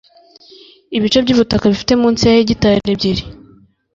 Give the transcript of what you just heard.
ibice by’ubutaka bifite munsi ya hegitari ebyiri